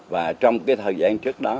và trong cái thời gian trước đó